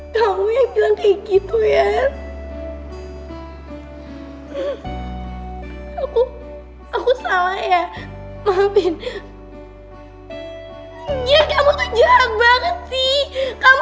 kamu yang bilang kayak gitu ya aku aku salah ya maafin ya kamu tuh jahat banget sih kamu